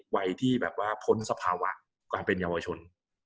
วัยที่แบบว่าพ้นสภาวะการเป็นเยาวชน